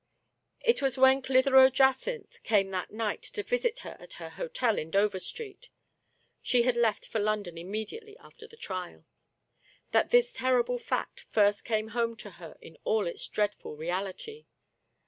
It was when Clitheroe Jacynth came that night to visit her at her hotel in Dover Street (she had left for London immediately after the trial), that this terrible fact first came home to her in all its dreadful reality.